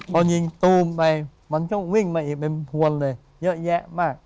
พอยิงตูมไปมันต้องวิ่งมาอีกเป็นพวนเลยเยอะแยะมาก